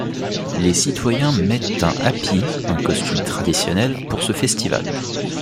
Les citoyens mettent un happi, un costume traditionnel, pour ce festival.